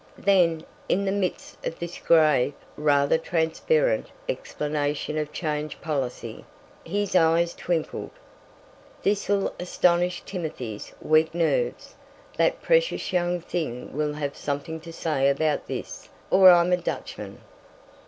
Then, in the midst of this grave, rather transparent, explanation of changed policy, his eyes twinkled. "This'll astonish Timothy's weak nerves. That precious young thing will have something to say about this, or I'm a Dutchman!"